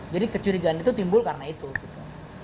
jadi kecurigaan itu timbul karena itu gitu